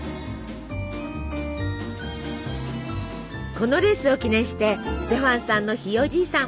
このレースを記念してステファンさんのひいおじいさん